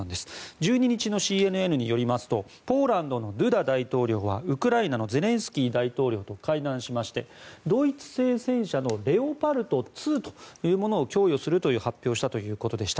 １２日のＣＮＮによりますとポーランドのドゥダ大統領はウクライナのゼレンスキー大統領と会談しましてドイツ製戦車のレオパルト２というものを供与すると発表をしたということでした。